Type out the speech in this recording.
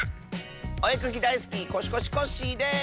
おえかきだいすきコシコシコッシーです！